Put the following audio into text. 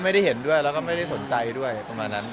ไม่ได้เห็นด้วยแล้วก็ไม่ได้สนใจด้วยประมาณนั้น